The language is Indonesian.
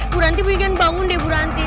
bu ranti bu ingin bangun deh bu ranti